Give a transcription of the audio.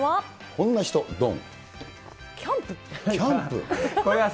こんな人、どん。